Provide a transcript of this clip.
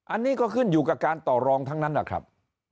อันนี้ก็ขึ้นอยู่กับการต่อรองทั้งนั้นนะครับ